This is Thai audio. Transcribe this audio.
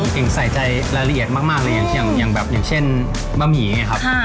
เก่งใส่ใจรายละเอียดมากเลยอย่างเช่นบะหมี่ไงครับ